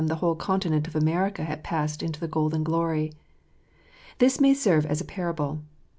the whole continent of America had passed into the golden glory. This may serve as a parable.